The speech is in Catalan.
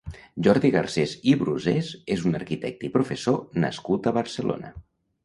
Jordi Garcés i Brusés és un arquitecte i professor nascut a Barcelona.